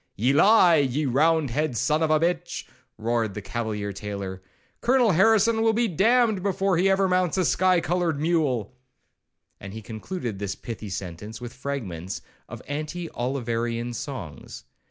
'1 'Ye lie, ye round head son of a b— h,' roared the cavalier tailor, 'Colonel Harrison will be damned before he ever mounts a sky coloured mule;' and he concluded this pithy sentence with fragments of anti Oliverian songs.